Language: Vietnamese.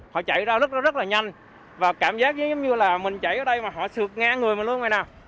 họ chạy ra rất là nhanh và cảm giác giống như là mình chạy ở đây mà họ sượt ngang người mình luôn rồi nè